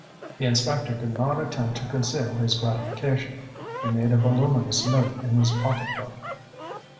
The inspector did not attempt to conceal his gratification. He made a voluminous note in his pocketbook.